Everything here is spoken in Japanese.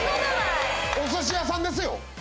お寿司屋さんですよ。